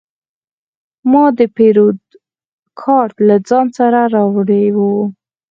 ما د پیرود کارت له ځان سره راوړی و.